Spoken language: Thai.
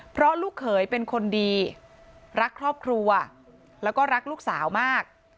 เพราะลูกเขยเป็นคนดีรักครอบครัวแล้วก็รักลูกสาวมาก